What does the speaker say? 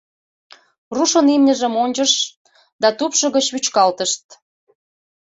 Рушын имньыжым ончышт да тупшо гыч вӱчкалтышт.